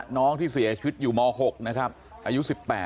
น้องที่เสียชีวิตอยู่ม๖นะครับอายุ๑๘